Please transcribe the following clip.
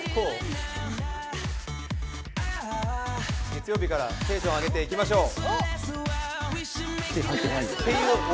月曜日からテンション上げていきましょう！